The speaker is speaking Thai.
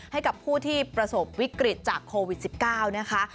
ให้กับผู้ที่ประสบวิกฤตจากโควิด๑๙นะคะ